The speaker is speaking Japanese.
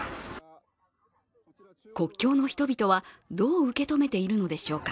国境の人々はどう受け止めているのでしょうか。